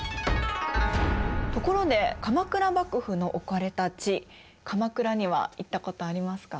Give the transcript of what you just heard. ところで鎌倉幕府の置かれた地鎌倉には行ったことありますか？